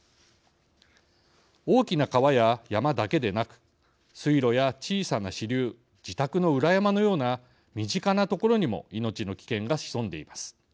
大きな川や山だけでなく水路や小さな支流自宅の裏山のような身近な所にも命の危険が潜んでいます。